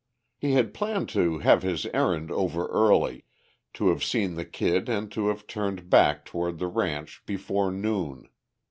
He had planned to have his errand over early, to have seen the Kid and to have turned back toward the ranch before noon.